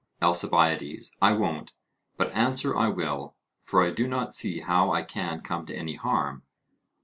ALCIBIADES: I won't; but answer I will, for I do not see how I can come to any harm.